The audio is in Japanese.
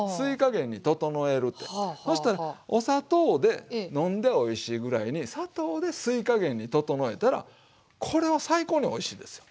お砂糖で飲んでおいしいぐらいに砂糖で吸いかげんに調えたらこれは最高においしいですよ。